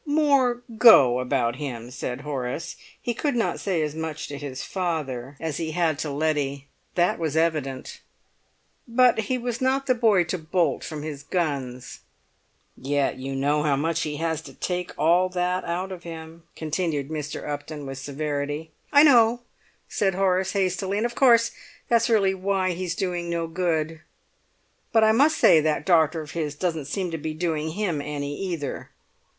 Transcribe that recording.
"More go about him," said Horace. He could not say as much to his father as he had to Letty. That was evident. But he was not the boy to bolt from his guns. "Yet you know how much he has to take all that out of him?" continued Mr. Upton, with severity. "I know," said Horace hastily, "and of course that's really why he's doing no good; but I must say that doctor of his doesn't seem to be doing him any either."